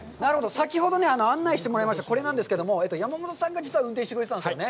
先ほど案内してもらいました、これなんですけども、山本さんが実は運転してくれてたんですよね。